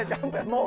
もう！